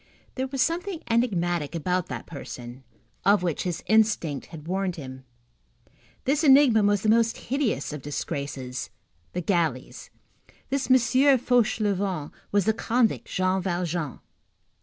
There was something enigmatic about that person, of which his instinct had warned him. This enigma was the most hideous of disgraces, the galleys. This M. Fauchelevent was the convict Jean Valjean.